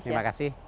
ya terima kasih